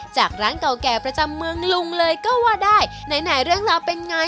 จากร้านเก่าแก่ประจำเมืองลุงเลยก็ว่าได้ไหนไหนเรื่องราวเป็นไง